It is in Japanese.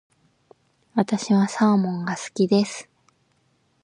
私はサーモンが好きです。